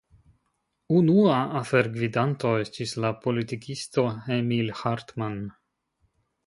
Unua afergvidanto estis la politikisto Emil Hartmann.